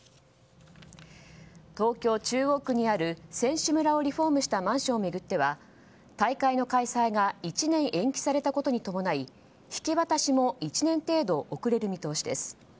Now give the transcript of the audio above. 東京・中央区にある選手村をリフォームしたマンションを巡っては大会の開催が１年延期されたことに伴い引き渡しも１年程度遅れる見通しです。